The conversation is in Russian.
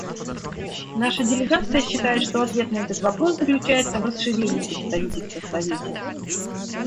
Наша делегация считает, что ответ на этот вопрос заключается в расширении представительства в Совете.